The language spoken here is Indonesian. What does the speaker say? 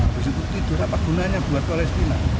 habis itu tidur apa gunanya buat palestina